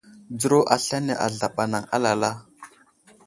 Dzəro aslane azlaɓ anaŋ alala.